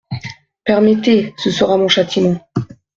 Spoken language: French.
Permettez… ce sera mon châtiment.